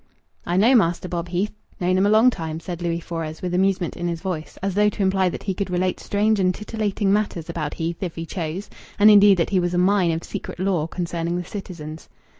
"I know Master Bob Heath. Known him a long time," said Louis Fores, with amusement in his voice, as though to imply that he could relate strange and titillating matters about Heath if he chose, and indeed that he was a mine of secret lore concerning the citizens.